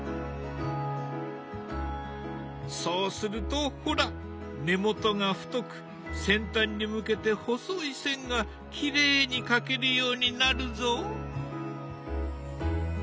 そうするとほら根元が太く先端に向けて細い線がきれいに描けるようになるぞ。